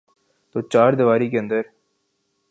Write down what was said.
توچاردیواری کے اندر۔